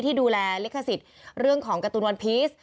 ดูแลลิขสิทธิ์เรื่องของการ์ตูนวันพีช